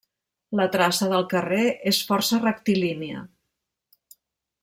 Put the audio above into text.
La traça del carrer és força rectilínia.